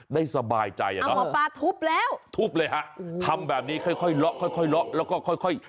ได้สบายใจนะทุบเลยฮะทำแบบนี้ค่อยละแล้วก็ค่อย